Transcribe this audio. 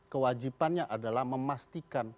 kewajibannya adalah memastikan